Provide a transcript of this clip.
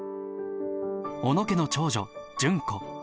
小野家の長女純子。